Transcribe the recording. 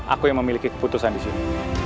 aku yang memiliki keputusan di sini